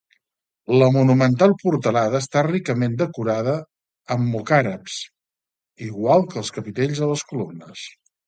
La monumental portalada està ricament decorada amb mocàrabs, igual que els capitells de les columnes.